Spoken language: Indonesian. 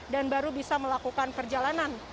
dan baru bisa melakukan perjalanan